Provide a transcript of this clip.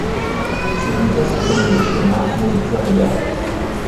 Semillas con endosperma muy desarrollado.